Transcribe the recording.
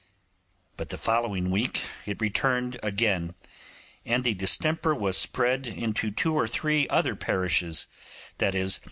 But the following week it returned again, and the distemper was spread into two or three other parishes, viz.